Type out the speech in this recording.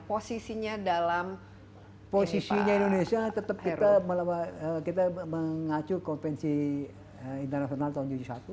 posisinya dalam posisinya indonesia tetap kita melawan kita mengacu konvensi internasional tahun